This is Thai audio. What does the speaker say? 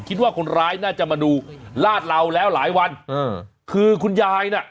คิดว่าคนร้ายน่าจะมาดูลาดเหลาแล้วหลายวันเออคือคุณยายน่ะ